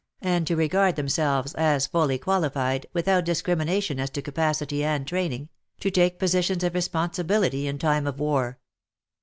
's and to regard themselves as fully qualified, without dis crimination as to capacity and training, to take positions of responsibility in time of war.